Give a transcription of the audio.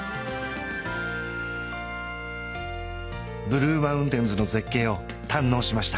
ブルー・マウンテンズの絶景を堪能しました